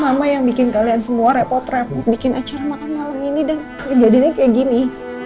lama yang bikin kalian semua repot repot bikin acara makan malam ini dan kejadiannya kayak gini